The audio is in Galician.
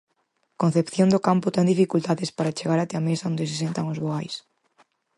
Concepción Docampo ten dificultades para chegar até a mesa onde se sentan os vogais.